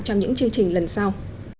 trong những video tiếp theo